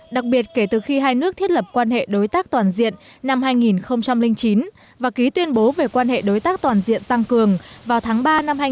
đặc biệt kể từ khi hai nước thiết lập quan hệ đối tác toàn diện năm hai nghìn chín và ký tuyên bố về quan hệ đối tác toàn diện tăng cường vào tháng ba năm hai nghìn một mươi tám